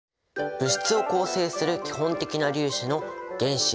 物質を構成する基本的な粒子の原子。